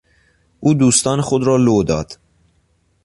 او دوستان خود را لو داد.